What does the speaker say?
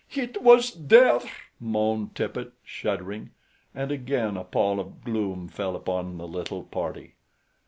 "Hit was Death," moaned Tippet, shuddering, and again a pall of gloom fell upon the little party.